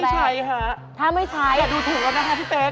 ไม่ใช่ค่ะแต่ดูถูกแล้วนะคะพี่เต๊ก